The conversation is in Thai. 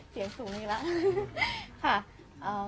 เสียงสูงอีกแล้วค่ะ